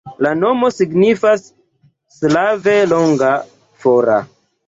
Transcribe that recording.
La nomo signifas slave longa, fora.